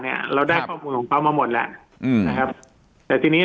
เนี้ยเราได้ข้อมูลของเขามาหมดแล้วอืมนะครับแต่ทีนี้